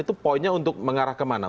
itu poinnya untuk mengarah ke mana